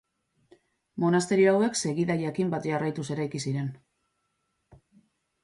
Monasterio hauek segida jakin bat jarraituz eraiki ziren.